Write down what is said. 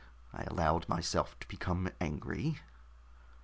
I allowed myself to become angry."